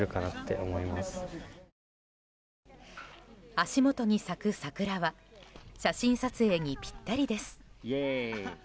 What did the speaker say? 足元に咲く桜は写真撮影にぴったりです。